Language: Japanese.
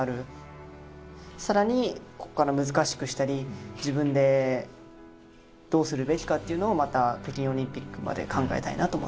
さらにこっから難しくしたり自分でどうするべきかというのをまた北京オリンピックまで考えたいなと思ってます。